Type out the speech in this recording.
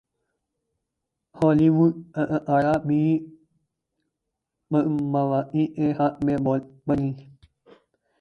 Holi would اداکارہ بھی پدماوتی کے حق میں بول پڑیں